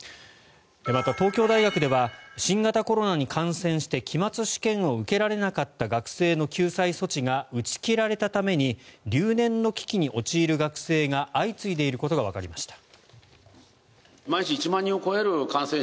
また、東京大学では新型コロナに感染して期末試験を受けられなかった学生の救済措置が打ち切られたために留年の危機に陥る学生が相次いでいることがわかりました。